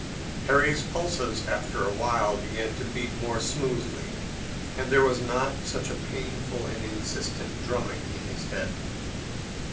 Harry's pulses, after a while, began to beat more smoothly and there was not such a painful and insistent drumming in his head.